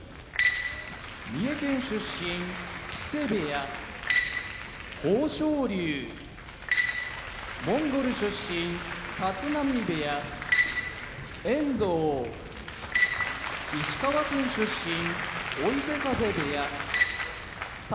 三重県出身木瀬部屋豊昇龍モンゴル出身立浪部屋遠藤石川県出身追手風部屋宝